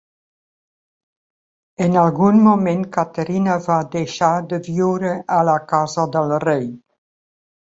En algun moment Caterina va deixar de viure a la casa del rei.